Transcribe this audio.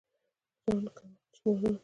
ځان كم عقل شمارل